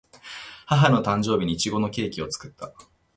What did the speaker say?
母の誕生日にいちごのケーキを作った